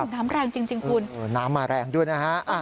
น้ำแรงจริงคุณน้ำมาแรงด้วยนะฮะ